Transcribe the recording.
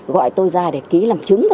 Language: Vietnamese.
gọi tôi ra để ký làm chứng thôi